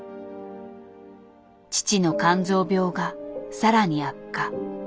父の肝臓病が更に悪化。